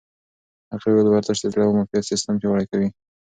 هغې وویل ورزش د زړه او معافیت سیستم پیاوړتیا کوي.